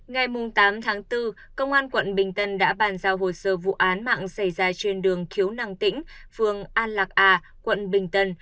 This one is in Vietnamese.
ngày tám tháng bốn công an quận bình tân đã bàn giao hồ sơ vụ án mạng xảy ra trên đường khiếu nạng tĩnh phường an lạc a quận bình tân